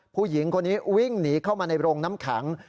ผู้หญิงคนนี้วิ่งหนีเข้ามาในโรงน้ำแข็ง